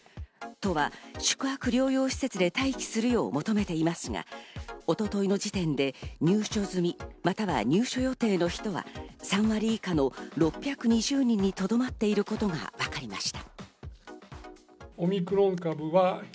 都は宿泊療養施設で待機するよう求めていますが、一昨日の時点で入所済みまたは入所予定の人は３割以下の６２０人にとどまっていることがわかりました。